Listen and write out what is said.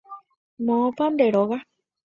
Moõpa nde róga.